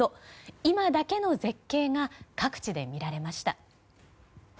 今だけの絶景が各地で見られました。